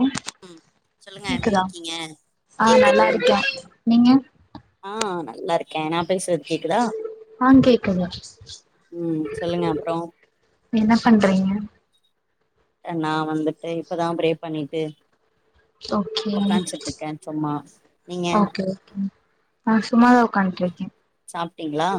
அ ம் சொல்லுங்க எப்டி கேக்குதா இருக்கீங்க ஆ நல்லா கேக்குது இருக்கே நீங்க ஆ நல்லா இருக்கே நா பேசுறத் கேக்குதா ஆ கேக்கு ம் சொல்லுங்க அப்றோ என்ன பண்றீங்க நா வந்துட்டு இப்பதா ப்ரே பண்ணிட்டு ஓகே உக்காஞ்சிட்டு இருக்கே சும்மா நீங்க ஓகே ஓகே நா சும்மாதா உக்காட்ருக்கே சாப்ட்டீங்ளா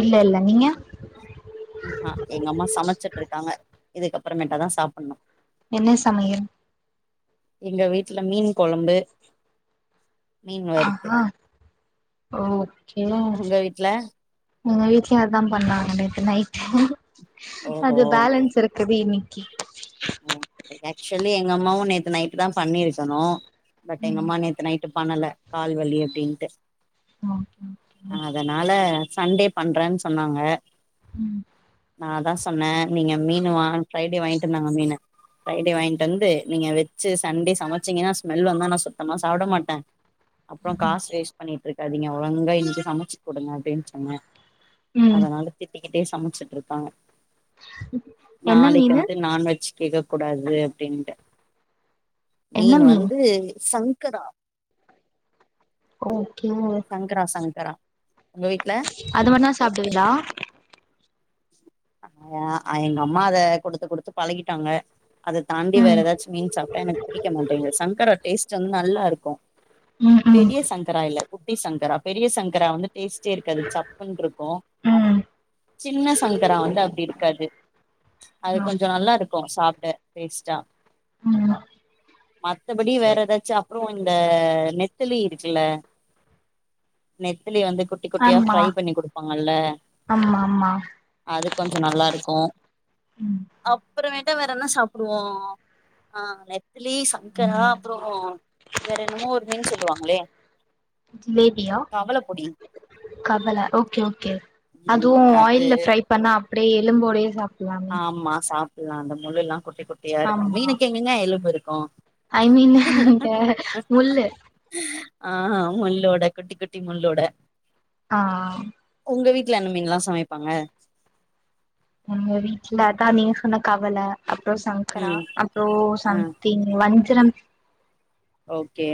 இல்லெல்ல நீங்க எங்க அம்மா சமைச்சிட்டு இருக்காங்க இதுகப்றோமேட்ட தா சாப்பின்னு என்ன சமையல் எங்க வீட்ல மீன் கொழம்பு மீன் வறுத்து ஆஹா ‌ஓகே உங்க வீட்ல எங்க வீட்லயு அதா பண்ணாங்க நேத்து நைட்டு ஓஹோ அது பேலென்ஸ் இருக் குது இன்னக்கி ஆக்சுவலி எங்க அம்மாவு நேத்து நைட்டு தா பண்ணிருக்குணு பட் எங்க ம் அம்மா நேத்து நைட் டு பண்ணல கால்வலி அப்டின்ட்டு [unintelligible] அதனால சண்டே பண்றே சொன்னாங்க ம் நா தா சொன்னே நீங்க மீன் வா ஃப்ரைடே வாங்கிட்டு வந்தாங்க மீனு ஃப்ரைடே வாங்கிட்டு வந்து நீங்க வச்சு சண்டே சமைச்சீங்கன்னா ஸ்மெல் வந்தா நான் சுத்தமா சாப்ட மாட்டே அப்றோ காசு வேஸ்ட் பண்ணிட்டு இருக்காதிங்க ஒழுங்கா இன்னக்கீ சமைச்சு குடுங்க அப்டின்னு சொன்ன ம் அதனால திட்டிக்கிட்டே சமைச்சிட் இருக்காக என்ன நாளைக்கு மீனு வந்து நான்வெஜ் கேக்க கூடாது அப்டின்ட்ட மீன் வந்து சங்கரா ஓகே வா சங்கரா சங்கரா உங்க வீட்டுல அது மட்டுதா சாபுடு விங்கலா ஆ் எங்க அம்மா அத குடுத்து குடுத்து பழகிட்டாங்க அத தாண்டி வேற ம் ஏதாச்சு மீன் சாப்ட்டா எனக்கு பிடிக்க மாட்டேங்கது சங்கரா டேஸ்ட் வந்து நல்லா இருக்கு ம் ம் பெரிய சங்கரா இல்ல குட்டி சங்கரா பெரிய சங்கரா வந்து டேஸ்ட்டே இருக்காது சப்புன்ட்ருக்கு ம் சின்ன சங்கரா வந்து அப்டி இருக்காது அது கொஞ்ச ஓகே நல்லா இருக் இருக்கு சாப்ட டேஷ்டா உ மத்தபடி வேற ஏதாச்சு அப்புறோ இந்த நெத்தலி இருக்குல நெத்தலி வந்து குட்டி குட்டியா ஆமா ஃப்ரை பண்ணி குடுப்பாங்கல்ல ஆமா ஆமா அது கொஞ்ச நல்லாருக்கு ம் அப்புறமேட்டா வேற என்ன சாப்புடுவோ அ நெத்திலி சங்கரா அப்பறோ வேற என்னமோ ஒரு மீன் சொல்லுவாங்களே ஜிலேபியா கவலப்பொடி கபல ஓகே ஓகே அதுவு ம் வா அது ய்ல ஃப்ரை பண்ணா அப்டியே எலும்போடயே சாப் ஆமா சாப்பில்லா அந்த முல்லலா குட்டி குட்டியா இருக்கு ஆமா மீனுக்கு எங்கங்க எலும்பு இருக்கு ஐ மீன் இந்த முல்லு ஆ முல்லோட குட்டி குட்டி முல்லோட ஆ ஒங்க வீட்டுல எந்த மீன்லா சமைப்பாங்க எங்க வீட்டுல தா நீ சொன்ன கவல அப்புற சங்கரா ம் அப்புறோ ஆ சம் திங் வஞ்சரம் ஓகே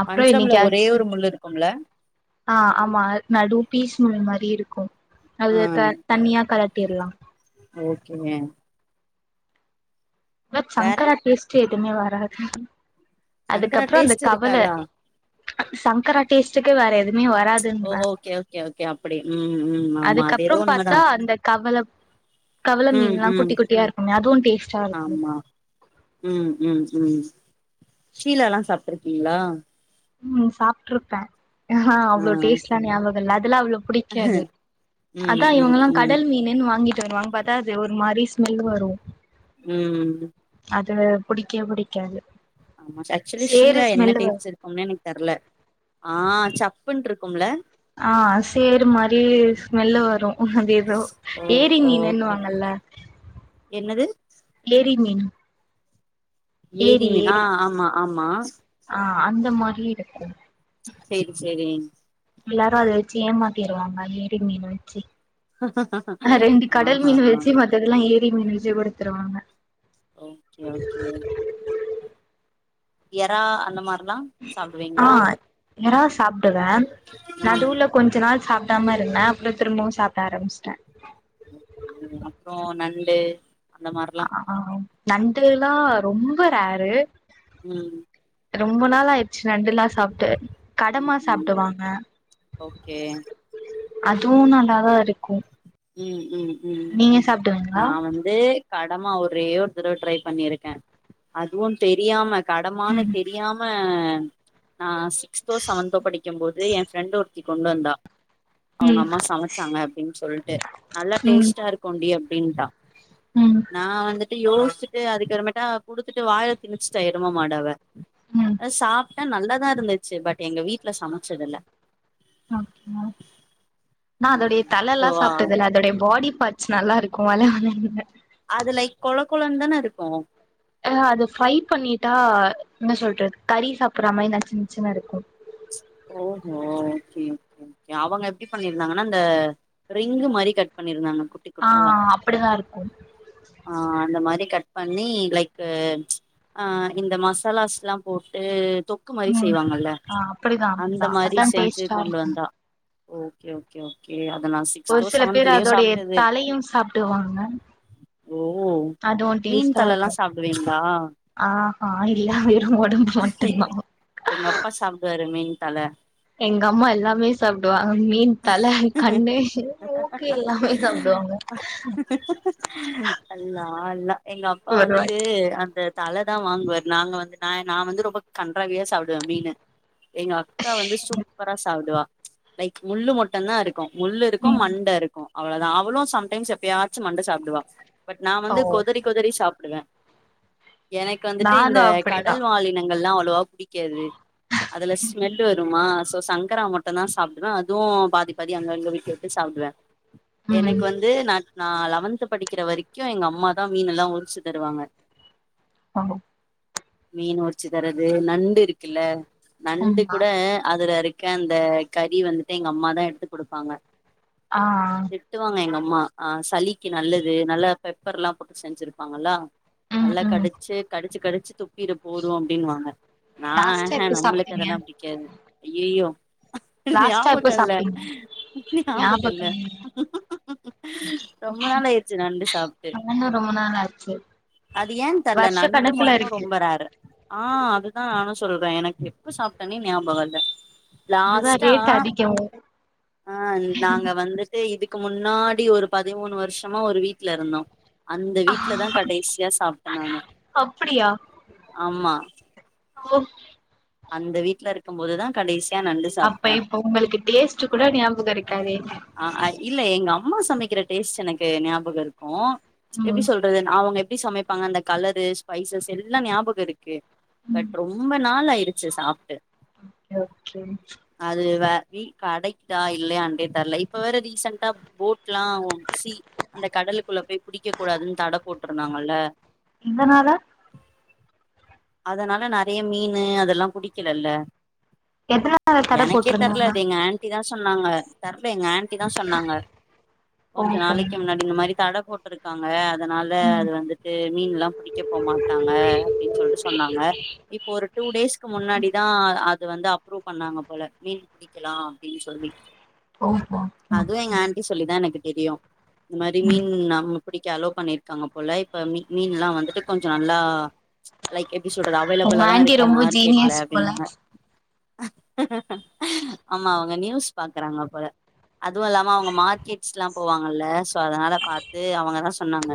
அப்றோ வஞ்சரம்ல ஒரே என்னைக்காச்சு ஒரு முல்லு இருக்கும்ல ஆ ஆமா நடு பீஸ் முல்லு மாரி இருக்கு ஆ அது தணியா கலட்டிர்லா ஓகேங்க இத வேற சங்கரா டேஸ்டு எதுமே வராது சங்கரா அதுக்கப்புற அந்த டேஸ்ட் கவல இருக்காதா சங்கரா டேஸ்ட்டுக்கே வேற எதுவுமே ஓ வராதுன்ற ஓகே ஓகே ஓகே அப்டி ம் ம் ஆமா அது அதுக்கப்புறோ ஏதோ உண்மதா பாத்தா அந்த கவல கவல ம் மீன்லா ம் குட்டி குட்டியா இருக்குமே அதுவு டேஸ்ட்டா இருக்கு உ உ உ ஷீலாலா சாப்ட்ருக்கீங்களா ம் சாப்ட்ருக்கே ஆ அவ்ளோ டேஸ்ட்லா ஞாபகோ இல்ல அதுலா அவ்ளோ பிடிக்காது ம் அதா ம் இவுங்கல்லா ம் கடல் மீனுனு வாங்கிட்டு வருவாங்க பா த்தா அது ஒரு மாரி ஸ்மெல் வரு உ அது புடிக்க புடிக்காது ஆமா ஆக்சுவலி சேறு ஷீலா என்ன ஸ்மெல்லு வரு டேப்ஸ் இருக் ஒன்னுமே எனக் தெர்ல ஆ சப்புனுட்ருக்கும்ல ஆ சேரு மாரி ஸ்மெல்லு வரு அது எதோ ஓ ஏரி ஓகே மீனுனுவாங்கல்ல என்னது ஏரி மீன் ஏரி மீனா ஆமா ஆமா ஆ அந்த மாரி இருக்கும் சேரி செரிங் எல்லாரு அத வெச்சி ஏமாத்திருவாங்க ஏரி மீன வெச்சி ஆ ஆ த்தகுலா ஏரி மீனு வெஜூ கூட வித்துருவாங்க ஓகே ஓகே எறா அந்த மாருலா ஆ எறா சாப்டுவே ம் நடுலக் கொஞ்ச நாள் சாப்டாம இருந்தே அப்றோ திரும்பவு சாப்ட ஆரமிச்ட்டே அப்றோ நண்டு அந்த மார்லா ஆ நண்டுலா ரொம்ப ரேரு ம் ரொம்ப நாளாயிர்ச்சு நண்டுலா சாப்ட்டு ம் கடமா ம் சாப்டுவாங்க ஓகே அதுவு நல்லாதா இருக்கு ம் ம் ம் நீங்க சாப்டுவீங்களா நா வந்து கடமா ஒரே ஒரு தடவ ட்ரைப் பண்ணியிருக்கே அதுவுந் தெரியாம கடமானு ம் தெர் ரியாம நா சிக்ஸ்த்தோ செவன்தோ படிக்கம்போது எ ஃபிரெண்டு ஒருத்தி கொண்டு வந்தா அவுங்க அம்மா சமச்சாங்க அப்பிடின் சொல்ட்டு நல்லா ம் டேஸ்ட்டா இருக்குண்டி அப்டின்ட்டா ம் நா வந்துட்டு யோச்சிட்டு அதுக்கறமேட்டா குடுத்துட்டு வாயல திணிச்சிட்டா எரும மாடு அவெ ம் அ சாப்ட்டே நல்லாதா இருந்துச்சி பட் எங்க வீட்ல சமச்சதில்ல ஓகே நா அதோடைய சோ தலலா சாப்ட்டதில்ல அதோடைய பாடி பார்ட் ச் நல்லாருக்கு வழவழன்ன அது லைக் கொல கொலன்தான இருக்கு அ அது ஃப்ரைப் பண்ணிட்டா என்ன சொல்ட்ற கறி சாப்புற மாரி நச்சு நச்சின்னருக்கு ஓஹோ ஓகே ஓகே அவங்க எப்டி பண்ணிருந்தாங்கன்னா இந்த ரிங்கு மாரிக் கட் பண்ணிருந்தாங்க குட் ட்டிக் ஆ குட்டியா அப்டிதா இருக்கு ஆ அந்த மாரிக் கட் பண்ணி லைக்கு அ இந்த மசாலாஸ்லாம் போட்டு தொக்கு மாரி ம் செய்வாங்கல்ல ஆ அப்டிதா அந்த அப்டிதா மாரி அதா செஞ்சி டேஸ்ட்டா கொண்டு இருக்கு வந்தா ஓகே ஓகே ஓகே அத நசிக் ஒரு சிலப் பேர் அதோடையத் தலையு சாப்டுவாங்க ஓ அதுவு மீன் டேஸ்ட்டா தலலா இருக்கு சாப்டுவீங்ளா ஆஹா இல்லா வெறு ஒடம்பு மட்டுந்தா எங்க அப்பா சாப்டுவாரு மீன் தல எங்க அம்மா எல்லாமே சாப்டுவா மீன் தல கண்ணு பூக்கு எல்லாமே சாப்டுவாங்க அல்லா அல்லா எங்க அப்பா ஒருவாய் வந்துட்டு அந்தத் தலதா வாங்வாரு நாங்க வந்து நா எ நா வந்து ரொம்பக் கண்றாவியா சாப்டுவே மீனு எங்கா க்கா வந்து சூப்பரா சாப்டுவா லைக் முள்ளு மட்டுந்தா இருக்கு முள்ளுருக்கு ம் மண்டருக்கு அவ்ளதா அவளு சம்டைம்ஸ் எப்பியாச்சு மண்ட சாப்டுவா பட் நா ஓ வந்து கொதறி கொதறி சாப்டுவே எனக்கு வந்துட்டு இந்த நானு அப்டிதா கடல் வாலினங்கள்லா அவ்ளவாப் புடிக்காது அதுலச் மெல்லு வருமா சோ சங்கரா மட்டுந்தா சாப்டுவே அதுவு பாதி பாதி அங்கங்க விட்டு விட்டு சாப்டுவே ம் எனக்கு வந்து நாட் நா லெவன்த்து படிக்கிற வரிக்கு எங்க அம்மாதா மீனெல்லா உறிச்சி தருவாங்க ஆ மீன் உறிச்சி தரது நண்டு இருகுல்ல நண்டு ஆமா கூட அதுல இருக்க அந்த கறி வந்துட்டு எங்க அம்மாதா எடுத்து குடுபாங்க ஆஆ திட்டுவாங்க எங்க அம்மா ஆ சளிக்கு நல்லது நல்லா பெப்பர் எல்லா போட்டு செஞ்சிருபாங்களா ம் நல்லா ம் கடிச்சி கடிச் கடிச்சி துப் தப்பீிட போதும் அப்டின்னுுவாங்க நா லாஸ்ட்டா எப்ப நம்மளுக்கு சாப்ட்டீங்க அதெல்லாம் அப்டி பிடிக்காது அய்யோ லாஸ்ட்டா ஞாபக எப்ப இல்ல சாப்ட்டீங்க ஞாபக இல்ல ஞாபகம் இல்லையே ரொம்ப நாள் ஆயிடுச்சு நண்டு சாப்ட்டு நானு ரொம்ப நாள் ஆச்சு அது எய தெர்ல வருஷ நண்டு கணக்குல மட்டும் இருக்கு ரொம்ப ரேரு ஆ அதுதா நானு சொல்ற எனக்கு எப்ப சாப்டன்னே ஞாபக இல்ல அதுதா லாஸ்டா ரேட் அதிகோ ஆ நாங்க வந்து இது இதுக்கு முன்னாடி ஒரு பதிமூணு வருஷமா ஒரு வீட்டுல இருந்தோ அந்த வீட்டுல தா கடைசியா சாப்டே நானு அப்டியா ஆமா ஓ அந்த வீட்டுல இருக்கும் போதுதா கடைசியான அப்ப இப்ப உங்களுக்கு டேஸ்ட் கூட ஞாபக இருக்காது அ இல்ல எங்க சமைக்கிற டேஸ்ட் எனக்கு ஞாபக இருக்கு எப்டி ம் சொல்ற அவங்க எப்டி சமைப்பாங்க அந்த கலரு ஸ்பைசஸ் எல்லா ஞாபக இருக்கு [unintelligible] பட் ரொம்ப நாள் ஆயடுச்சு சாப்ட்டு ஓகே ஓகே அது வே [unintelligible] கடைக்குதா இல்லையாண்டே தெர்ல இப்ப வேற ரீசன்டா போட்ல்லா சி அந்த கடலுக்குள்ள போய் புடிக்க கூடாதுன்னு தட போட்டிருந்தாங்கல்ல இந்த நாலா அதனால நெறைய மீன் அதல்ல குடிக்கலல்ல எத்தன நாள் எனக்கே தெர்ல அது எங்க ஆன்ண்டி தா சொன்னாங்க தெர்ல எங்க ஆன்டி தா சொன்னாங்க கொஞ்ச ஓஹோ நாளைக்கு முன்னாடி இந்த மாதிரி தட போட்டுருக்காங்க அதனால அது ம் வந்துட்டு மீன் எல்லா புடிக்க போ மாட்டாங்க அப்டின்னு சொல்லிட்டு சொன்னாங்க இப்போ ஒரு டூ டேஸ் முன்னாடிதா அது வந்து அப்ரூவ் பண்ணாங்க போல மீன் புடிக்கலா அப்டின்னு சொல்லி ஓஹோ அதுவும் எங்க ஓகே ஆன்டி சொல்லிதா எனக்கு தெரியு இந்த மாதிரி ம் மீன் நம்ம பிடி க்க அலோ பண்ணிருக்காங்க போல இப்ப மீ மீன் எல்லா வந்துட்டு கொஞ்ச நல்லா லைக் எப்டி சொல்றது அவைலபிள்லா தா இருக்கு மார்கெட் மாஸ்க்கு போல ஆமா அவங்க நியூஸ் பாக்குறாங்க போல அதுவும் இல்லாம அவங்க மார்க்கெட்ஸ் எல்லா போவாங்கல்ல சோ அதனால பாத்து அவங்கதா சொன்னாங்க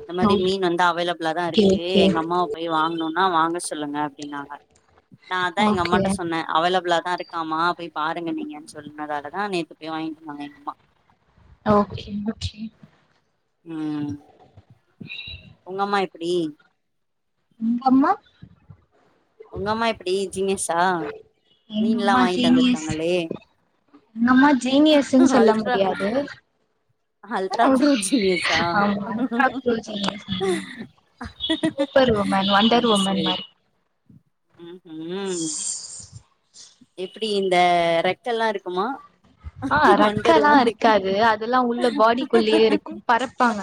இந்த மாதிரி ஓகே மீன் வந்து அவைலபிளா தா இருக்கு ஓகே எங்க அம்மாவ போய் வாங்கணும்னா வாங்க சொல்லுங்க அப்டினாங்க நா அதா எங்க ஓகே அம்மாட்ட சொன்ன அவைலபிள்ளாதா இருக்கு ஆமா போய் பாருங்க நீங்கன்னு சொன்னனதாலதா நேத்து போய் வாங்கிட்டு வந்தாங்க எங்க அம்மா ஓகே ஓகே ம் உங்கம்மா எப்டி உங்க அம்மா உங்க அம்மா எப்டி ஜீனீயஸ்ஸா எங்க மீன் எல்லா அம்மா வாங்கிட்டு ஜீனியஸ் வந்திருக்காங்களே எங்க அம்மா ஜீனியஸ்னு சொல்ல அல்ட்ரா முடியாது அல்ட்ரா ம் ப்ரோஜீனியஸா ஆமா முட்டாள் குள்ள ஜீனியஸ் எங்கம்மா சூப்பர் உமன் வொண்டர் அது உமன் சரி மாரி ம்ஹும் எப்டி இந்த ரெக்க எல்லா இருக்குமா? ஆ ரெக்க வண்டர் எல்லா உமனுக்கு இருக்காது அதெல்லா உள்ள பாடிக்குள்ளயே இருக்கு பறப்பாங்க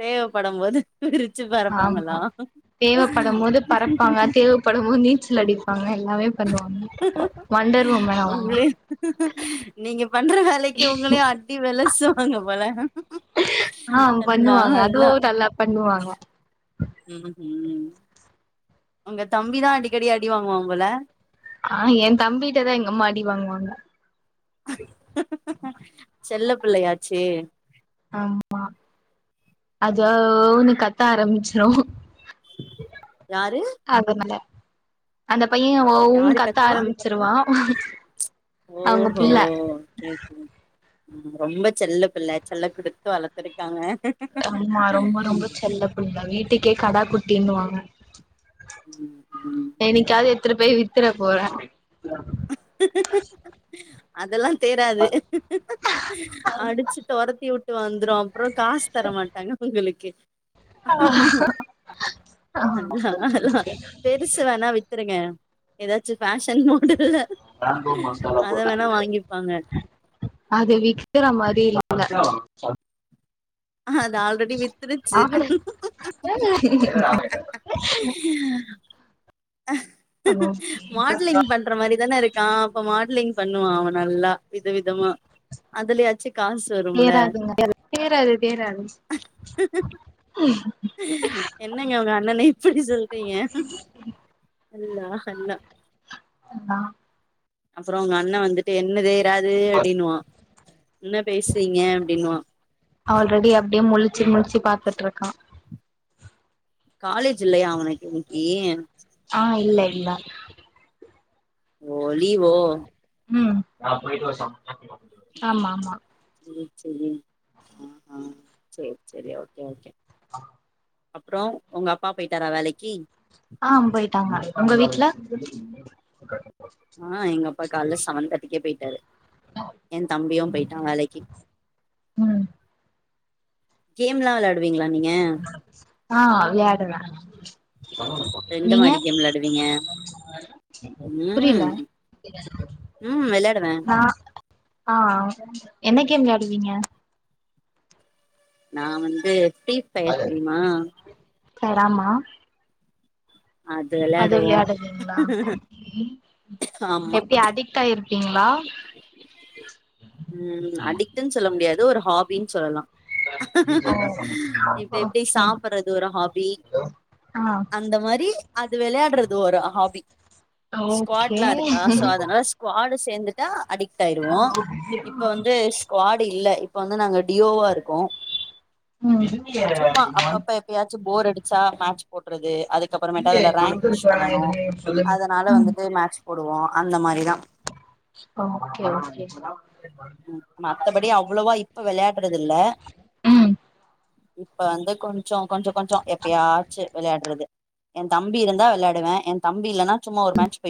தேவப்படும்போது விரிச்சு பறப்பாங்களா தேவப்படும்போது பறப்பாங்க தேவப்படும்போது நீச்சல் அடிப்பாங்க எல்லாமே பண்ணுவாங்க வொண்டர் உமன் அவங்க உங்களே நீங்க பண்ற வேலைக்கு உங்களையு அடி வெலுசுவாங்க போல ஆ அல்லா பண்ணுவாங்க அதுவு அல்லா நல்லா பண்ணுவாங்க ம்ஹும் உங்க தம்பிதா அடிக்கடி அடிவாங்குவான் போல ஆ என் தம்பிட்டதான் எங்க அம்மா அடி வாங்குவாங்க செல்ல புள்ளயாச்சே ஆமா அது ஓன்னு கத்த ஆரம்பிச்சிரு யாரு அதுனால அந்த பையன் ஓன்னு யாரு கத்த கத்துவா ஆரம்பிச்சிருவான் ஓஹோ கேக்கு ம் ரோம்ப செல்ல பிள்ள செல்ல குடுத்து வளத்திருக்காங்க ஆமா ரொம்ப ரொம்ப செல்ல புள்ள வீட்டுக்கே கடா குட்டினுவாங்க ம் ம் என்னைக்காவது எத்துடு போய் வித்துற போற அதெல்லா தேராது அடிச்சு தொரத்தி விட்டு வந்துரு அப்றோ காசு தரமாட்டாங்க உங்களுக்கு அதா அதா பெருச வேணா வித்துருங்க எதாச்சு ஃபேஷன் மாடல்ல ராம்போ மசாலா அத வேணா போட்டுட்டிருக்க வாங்கிப்பாங்க அது விக்கற மாரி இல்ல அது ஆல் ரெடி வித்திருச்சு ஆட ஓகே மாட்லிங் பண் ற மாரிதான இருக்கான் அப்ப மாட்லிங் பண்ணுவான் அவன் நல்லா வித விதமா அதுலயாச்சு காசு வரும்ல தேராதுங்க தேராது தேராது என்னங்க உங்க அண்ணன இப்டி சொல்றீங்க ஹல்லா ஹல்லா நா அப்றோ உங்க அண்ண வந்துட்டு என்ன தேராது அப்டின்னுவான் என்ன பேசறீங்க அப்டின்னுவான் ஆல்ரெடி அப்டியே முழிச்சு முழிச்சு பாத்துட்டு இருக்கான் காலேஜ் இல்லையா அவனுக்கு இன்னைக்கு ஆ இல்ல இல்ல ஓ லீவோ ம் நா போயிட்டு வா சமச்சு [inaudible] ஆமாமா சேரி சேரி ஆ சேரி சேரி ஓகே ஓகே அ அப்புறோ உங்க அப்பா போய்ட்டாரா வேலைக்கி ஆ போயிட்டாங்க உங்க வீட்டு்ல ஆ எங்க அப்பா கால்ல செவன் தேர்ட்டிக்கே போயிட்டாரு என் தம்பியு போயிட்டா வேலைக்கி ம் கேம்லா விளா டுவீங்களா நீங்க ஆ விளையாடுவே எந்த நீங்க மாரி கேம் வெளாடுவீங்க ம் புறியலா [unintelligible] ம் விளையாடுவே ஆ என்ன கேம் விளையாடுவீங்க நான் வந்து ஃப்ரீ ஃபயர் தெரிம்மா சரி ஆமா அது விளையாடுவீங்களா ஆமா எப்டி அடிட் ஆயிருப்வீங்களா ம் அடிக்ட்டுன் சொல்ல முடியாது ஒரு ஹாபின் சொல்லலா இப்ப ஓ எப்படி ஓகே சாப்பற்றது ஒரு ஹாபி ஆ அந்த மாரி அது வெளையாற்றது ஒரு ஹாபி ஸ்குவாட் ஓகே எல்லா இருக்கா சோ அதனால ஸ்குவாடு சேந்துட்டா அடிக்ட் ஆயிருவோ ஸ்குவாட்டு இல்ல இப்ப வந்து நாங்க டியோவா இருக்கோ ம் சும்மா அப்பப்ப எப்பயாச்சு ஃபோர் அடிச்சா மேட்ச் போற்றது அதுக் கப்புற மேட்டு அதுல ரேங்க் புஷ் பண்ணனு அதனால ம் வந்துட்டு மேட்ச் போடுவோ அந்த மாரித்த மாரிதா ஓகே ஓகே மத்தபடி அவ்ளோவா இப்ப விளையாற்றது இல்ல ம் இப்ப வந்து கொஞ்சோ கொஞ்சோ கொஞ்சோ எப்பயாச்சு விளையாற்றது என் தம்பி இருந்தா வெளையாடுவே என் தம்பி இல்லன்னா சும்மா ஒரு மேட்ச் போயி